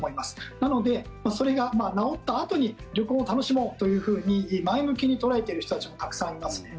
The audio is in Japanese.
なので、それが治ったあとに旅行を楽しもうというふうに前向きに捉えている人たちもたくさんいますね。